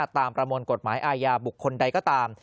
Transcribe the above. ประมวลกฎหมายอาญาบุคคลใดก็ตาม